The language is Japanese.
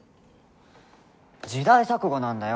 時代錯誤なんだよ！